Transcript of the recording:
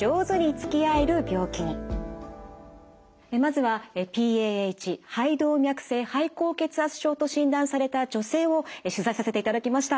まずはＰＡＨ肺動脈性肺高血圧症と診断された女性を取材させていただきました。